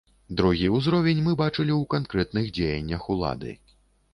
Другі ўзровень мы бачылі ў канкрэтных дзеяннях улады.